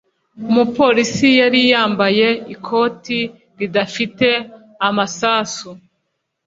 Umupolisi yari yambaye ikoti ridafite amasasu.